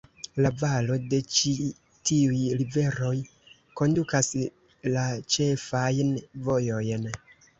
La valo de ĉi tiuj riveroj kondukas la ĉefajn vojojn.